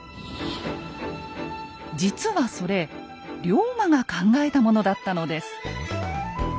実はそれ龍馬が考えたものだったのです。